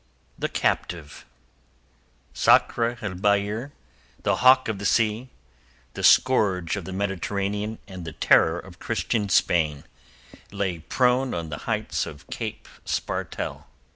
THE CAPTIVE Sakr el Bahr, the hawk of the sea, the scourge of the Mediterranean and the terror of Christian Spain, lay prone on the heights of Cape Spartel.